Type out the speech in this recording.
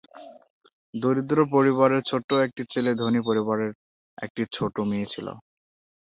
দরিদ্র পরিবারের ছোট্ট একটি ছেলে ধনী পরিবারের একটি ছোট মেয়ে ছিল।